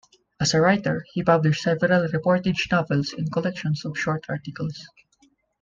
As a writer, he published several reportage novels and collections of short articles.